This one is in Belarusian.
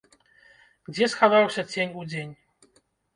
Дзе схаваўся цень удзень?